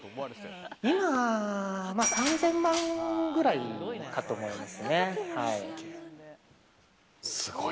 今、３０００万ぐらいかと思いますね。